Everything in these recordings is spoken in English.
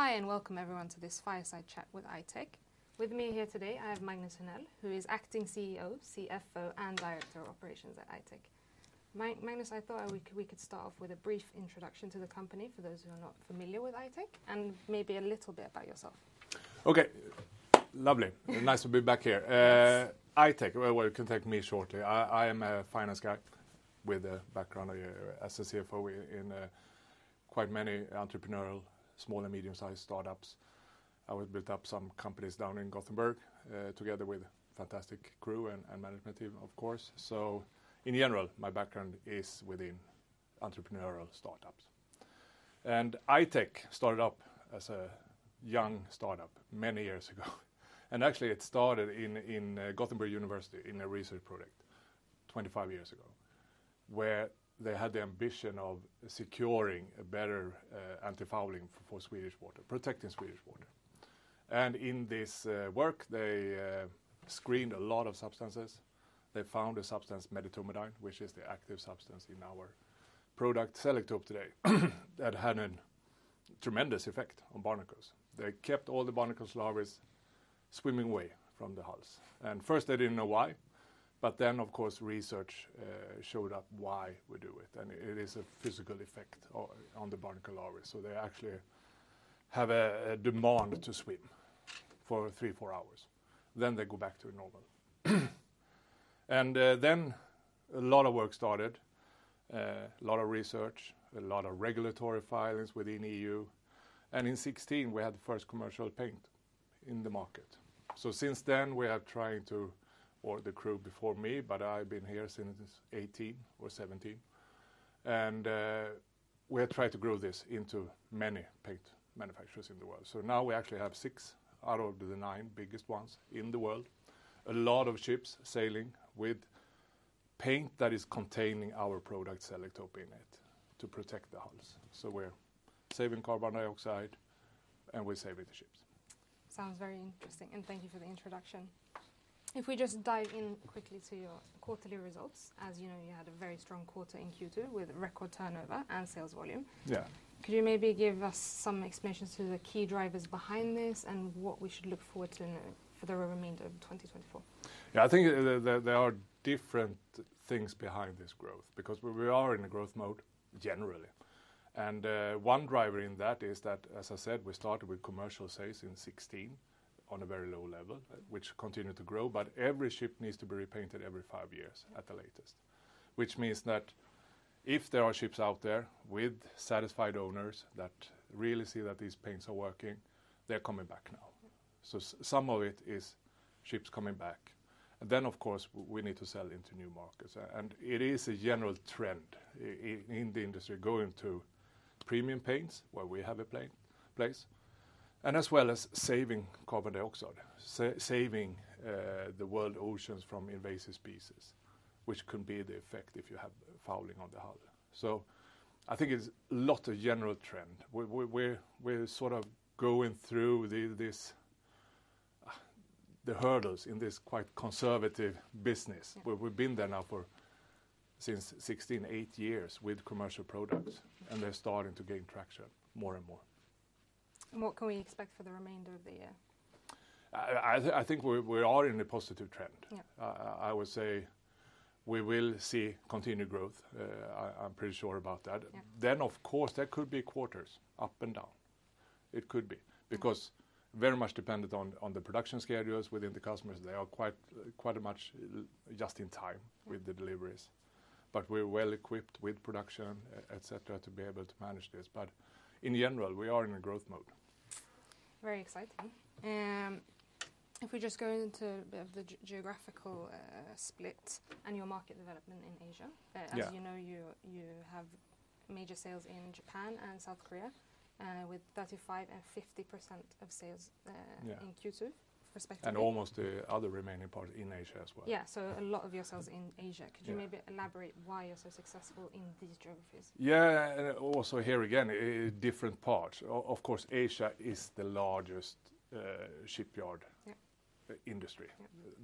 Hi, and welcome everyone to this Fireside Chat with I-Tech. With me here today, I have Magnus Henell, who is Acting CEO, CFO, and Director of Operations at I-Tech. Magnus, I thought we could start off with a brief introduction to the company for those who are not familiar with I-Tech, and maybe a little bit about yourself. Okay. Lovely. Nice to be back here. I-Tech, well, you can take me shortly. I am a finance guy with a background as a CFO in quite many entrepreneurial, small and medium-sized startups. I have built up some companies down in Gothenburg together with a fantastic crew and management team, of course. So, in general, my background is within entrepreneurial startups. And I-Tech started up as a young startup many years ago. And actually, it started in University of Gothenburg in a research project 25 years ago, where they had the ambition of securing a better antifouling for Swedish water, protecting Swedish water. And in this work, they screened a lot of substances. They found a substance, medetomidine, which is the active substance in our product Selektope today, that had a tremendous effect on barnacles. They kept all the barnacle larvae swimming away from the hulls. And first, they didn't know why, but then, of course, research showed up why we do it. And it is a physical effect on the barnacle larvae. So they actually have a demand to swim for three, four hours. Then they go back to normal. And then a lot of work started, a lot of research, a lot of regulatory filings within the E.U. And in 2016, we had the first commercial paint in the market. So since then, we have tried to, or the crew before me, but I've been here since 2018 or 2017. And we have tried to grow this into many paint manufacturers in the world. So now we actually have six out of the nine biggest ones in the world, a lot of ships sailing with paint that is containing our product Selektope in it to protect the hulls. We're saving carbon dioxide, and we're saving the ships. Sounds very interesting. Thank you for the introduction. If we just dive in quickly to your quarterly results, as you know, you had a very strong quarter in Q2 with record turnover and sales volume. Yeah. Could you maybe give us some explanations to the key drivers behind this and what we should look forward to for the remainder of 2024? Yeah, I think there are different things behind this growth, because we are in a growth mode generally. And one driver in that is that, as I said, we started with commercial sales in 2016 on a very low level, which continued to grow. But every ship needs to be repainted every five years at the latest, which means that if there are ships out there with satisfied owners that really see that these paints are working, they're coming back now. So some of it is ships coming back. And then, of course, we need to sell into new markets. And it is a general trend in the industry going to premium paints, where we have a place, and as well as saving carbon dioxide, saving the world oceans from invasive species, which can be the effect if you have fouling on the hull. So I think it's a lot of general trend. We're sort of going through the hurdles in this quite conservative business. We've been there now for since 2016, eight years with commercial products, and they're starting to gain traction more and more. What can we expect for the remainder of the year? I think we are in a positive trend. I would say we will see continued growth. I'm pretty sure about that. Then, of course, there could be quarters up and down. It could be, because very much dependent on the production schedules within the customers. They are quite as much just in time with the deliveries. But we're well equipped with production, etc., to be able to manage this. But in general, we are in a growth mode. Very exciting. If we just go into the geographical split and your market development in Asia, as you know, you have major sales in Japan and South Korea with 35% and 50% of sales in Q2. And almost the other remaining part in Asia as well. Yeah. So a lot of your sales in Asia. Could you maybe elaborate why you're so successful in these geographies? Yeah. Also here, again, different parts. Of course, Asia is the largest shipyard industry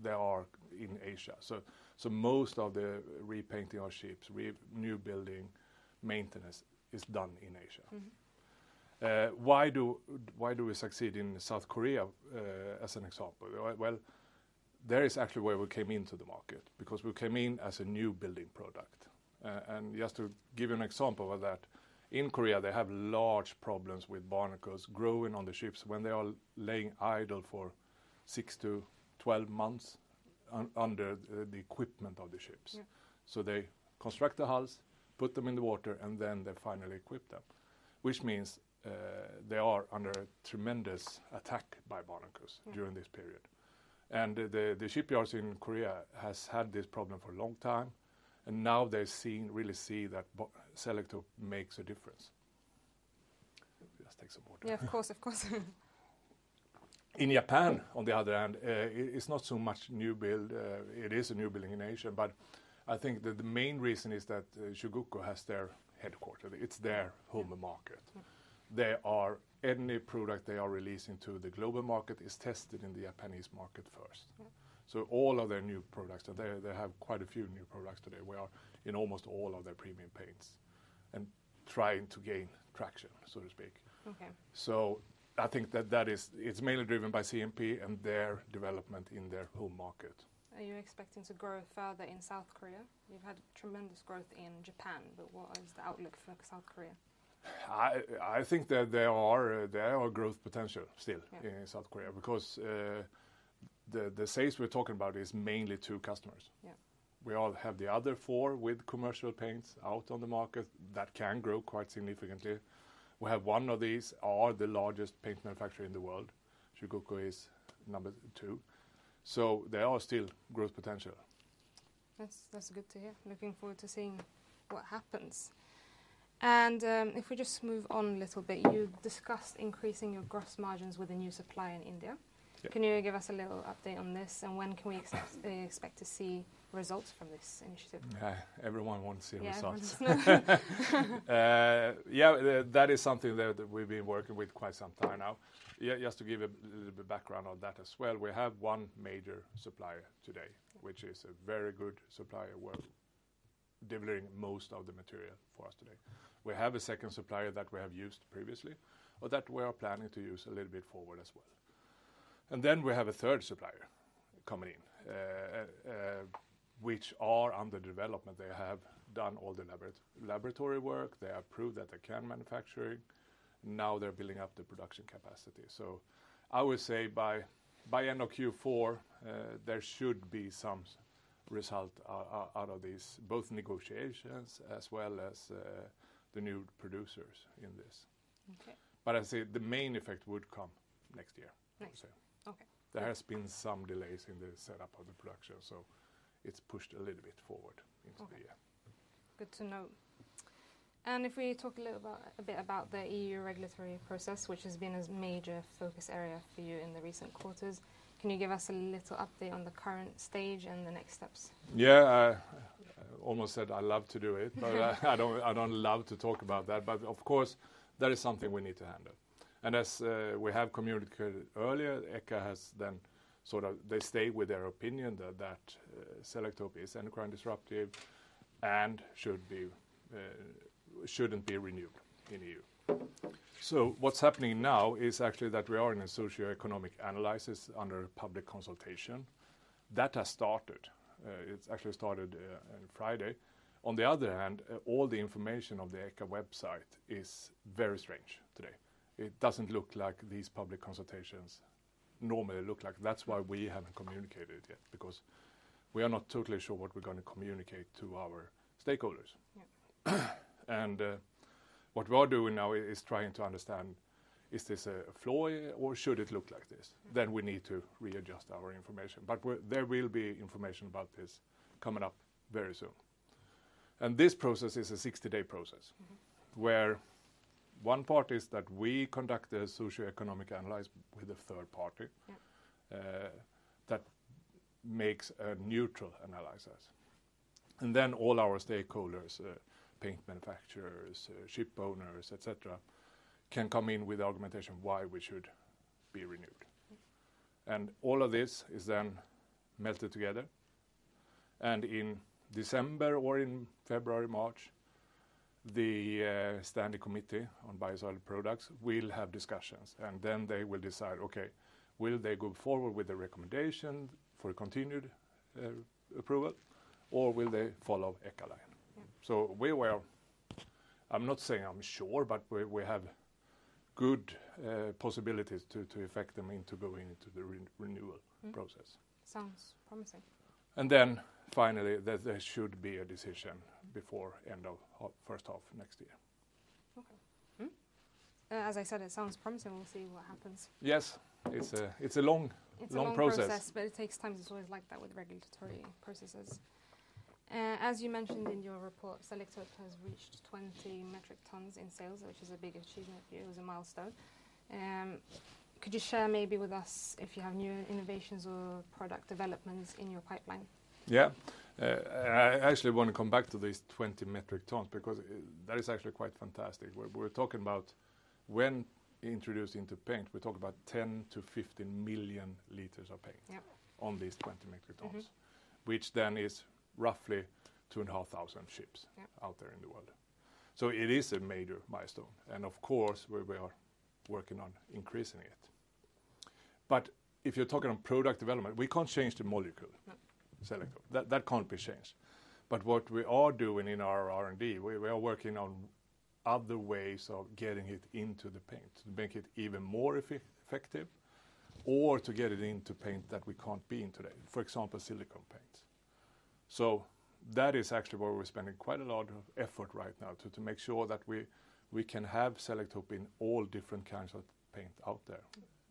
there is in Asia. So most of the repainting of ships, newbuilding maintenance is done in Asia. Why do we succeed in South Korea, as an example? Well, there is actually where we came into the market, because we came in as a newbuilding product. And just to give you an example of that, in Korea, they have large problems with barnacles growing on the ships when they are laying idle for 6 months-12 months under the equipment of the ships. So they construct the hulls, put them in the water, and then they finally equip them, which means they are under tremendous attack by barnacles during this period. And the shipyards in Korea have had this problem for a long time. And now they really see that Selektope makes a difference. Let's take some water. Yeah, of course, of course. In Japan, on the other hand, it's not so much newbuild. It is a newbuilding in Asia, but I think that the main reason is that Chugoku has their headquarters. It's their home market. Any product they are releasing to the global market is tested in the Japanese market first. So, all of their new products, they have quite a few new products today. We are in almost all of their premium paints, and trying to gain traction, so to speak. I think that it's mainly driven by CMP and their development in their home market. Are you expecting to grow further in South Korea? You've had tremendous growth in Japan, but what is the outlook for South Korea? I think that there are growth potential still in South Korea, because the sales we're talking about is mainly to customers. We all have the other four with commercial paints out on the market that can grow quite significantly. We have one of these, are the largest paint manufacturer in the world. Chugoku is number two. So there are still growth potential. That's good to hear. Looking forward to seeing what happens. And if we just move on a little bit, you discussed increasing your gross margins with a new supplier in India. Can you give us a little update on this, and when can we expect to see results from this initiative? Yeah, everyone wants to see results. Yeah, that is something that we've been working with quite some time now. Just to give a little bit of background on that as well, we have one major supplier today, which is a very good supplier who are delivering most of the material for us today. We have a second supplier that we have used previously, or that we are planning to use a little bit forward as well. And then we have a third supplier coming in, which are under development. They have done all the laboratory work. They have proved that they can manufacture. Now they're building up the production capacity. So I would say by end of Q4, there should be some result out of these, both negotiations as well as the new producers in this. But I say the main effect would come next year, I would say. There has been some delays in the setup of the production, so it's pushed a little bit forward into the year. Good to know. And if we talk a little bit about the E.U. regulatory process, which has been a major focus area for you in the recent quarters, can you give us a little update on the current stage and the next steps? Yeah, I almost said I love to do it, but I don't love to talk about that. But of course, that is something we need to handle. And as we have communicated earlier, ECHA has then sort of they stayed with their opinion that Selektope is endocrine disruptive and shouldn't be renewed in the E.U. So what's happening now is actually that we are in a socioeconomic analysis under public consultation that has started. It's actually started on Friday. On the other hand, all the information on the ECHA website is very strange today. It doesn't look like these public consultations normally look like. That's why we haven't communicated it yet, because we are not totally sure what we're going to communicate to our stakeholders. And what we are doing now is trying to understand, is this a flaw, or should it look like this? Then we need to readjust our information. But there will be information about this coming up very soon. And this process is a 60-day process, where one part is that we conduct a socioeconomic analysis with a third party that makes a neutral analysis. And then all our stakeholders, paint manufacturers, ship owners, etc., can come in with the argumentation why we should be renewed. And all of this is then melted together. And in December or in February/March, the Standing Committee on Biocidal Products will have discussions. And then they will decide, okay, will they go forward with the recommendation for continued approval, or will they follow ECHA line? So we will. I'm not saying I'm sure, but we have good possibilities to effect them into going into the renewal process. Sounds promising. And then finally, there should be a decision before end of first half next year. Okay. As I said, it sounds promising. We'll see what happens. Yes. It's a long process. It's a long process, but it takes time. It's always like that with regulatory processes. As you mentioned in your report, Selektope has reached 20 metric tons in sales, which is a big achievement for you. It was a milestone. Could you share maybe with us if you have new innovations or product developments in your pipeline? Yeah. I actually want to come back to these 20 metric tons, because that is actually quite fantastic. We're talking about when introduced into paint, we're talking about 10 million-15 million L of paint on these 20 metric tons, which then is roughly 2,500 ships out there in the world, so it is a major milestone, and of course, we are working on increasing it, but if you're talking on product development, we can't change the molecule Selektope. That can't be changed. But what we are doing in our R&D, we are working on other ways of getting it into the paint to make it even more effective, or to get it into paint that we can't be in today, for example, silicone paints. So that is actually where we're spending quite a lot of effort right now to make sure that we can have Selektope in all different kinds of paint out there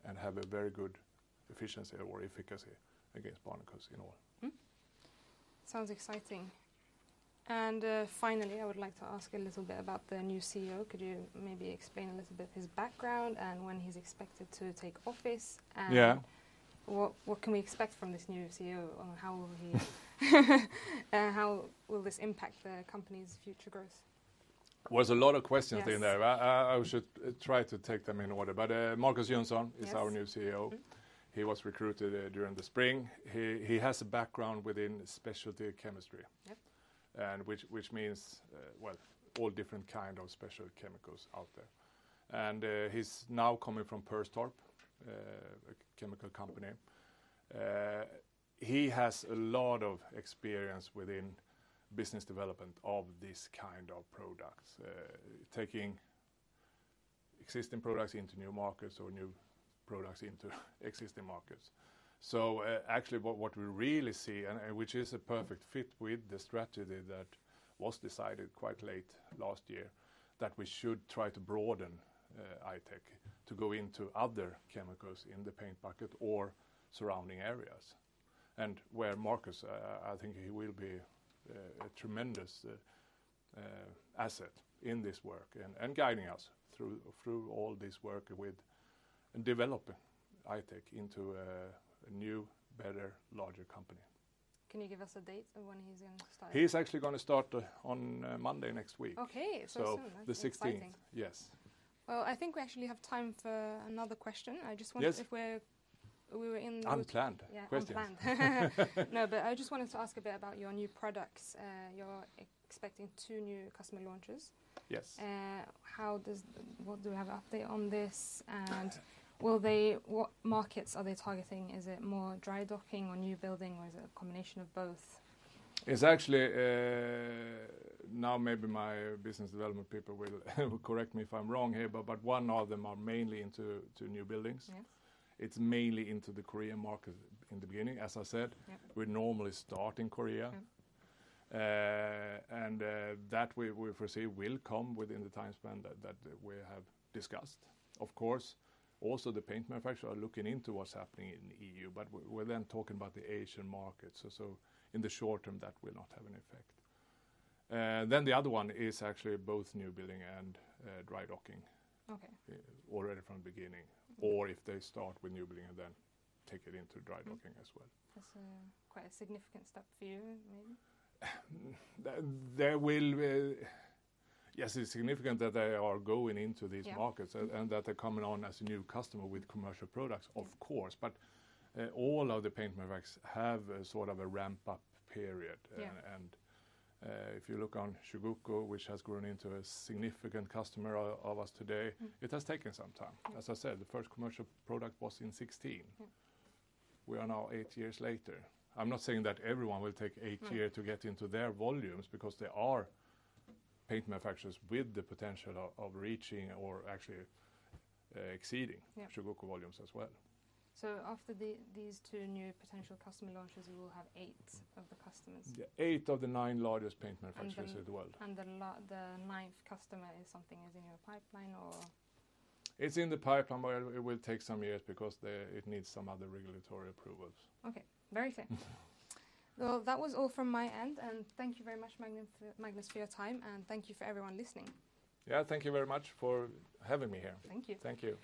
and have a very good efficiency or efficacy against barnacles in all. Sounds exciting, and finally, I would like to ask a little bit about the new CEO. Could you maybe explain a little bit of his background and when he's expected to take office, and what can we expect from this new CEO, and how will this impact the company's future growth? There's a lot of questions in there. I should try to take them in order. Markus Jönsson is our new CEO. He was recruited during the spring. He has a background within specialty chemistry, which means, well, all different kinds of special chemicals out there. He's now coming from Perstorp, a chemical company. He has a lot of experience within business development of this kind of products, taking existing products into new markets or new products into existing markets. Actually, what we really see, and which is a perfect fit with the strategy that was decided quite late last year, that we should try to broaden I-Tech to go into other chemicals in the paint market or surrounding areas. And where Markus, I think, he will be a tremendous asset in this work and guiding us through all this work with developing I-Tech into a new, better, larger company. Can you give us a date of when he's going to start? He's actually going to start on Monday next week. Okay, so soon. So the 16th. Yes. I think we actually have time for another question. I just wondered if we were in. Unplanned questions. No, but I just wanted to ask a bit about your new products. You're expecting two new customer launches. Yes. What do we have update on this? And what markets are they targeting? Is it more drydocking or newbuilding, or is it a combination of both? It's actually now maybe my business development people will correct me if I'm wrong here, but one of them are mainly into newbuildings. It's mainly into the Korean market in the beginning. As I said, we normally start in Korea and that we foresee will come within the time span that we have discussed. Of course, also the paint manufacturers are looking into what's happening in the E.U., but we're then talking about the Asian markets, so in the short term, that will not have an effect, then the other one is actually both newbuilding and drydocking already from the beginning, or if they start with newbuilding and then take it into drydocking as well. That's quite a significant step for you, maybe? Yes, it's significant that they are going into these markets and that they're coming on as a new customer with commercial products, of course, but all of the paint manufacturers have sort of a ramp-up period, and if you look on Chugoku, which has grown into a significant customer of us today, it has taken some time. As I said, the first commercial product was in 2016. We are now eight years later. I'm not saying that everyone will take eight years to get into their volumes, because there are paint manufacturers with the potential of reaching or actually exceeding Chugoku volumes as well. After these two new potential customer launches, you will have eight of the customers. Eight of the nine largest paint manufacturers in the world. The ninth customer is something that is in your pipeline, or? It's in the pipeline, but it will take some years because it needs some other regulatory approvals. Okay. Very clear. Well, that was all from my end. And thank you very much, Magnus, for your time. And thank you for everyone listening. Yeah, thank you very much for having me here. Thank you. Thank you.